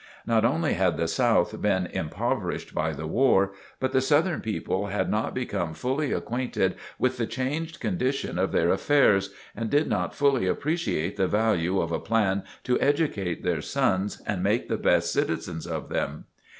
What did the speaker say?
Not only had the South been impoverished by the war, but the Southern people had not become fully acquainted with the changed condition of their affairs, and did not fully appreciate the value of a plan to educate their sons and make the best citizens of them.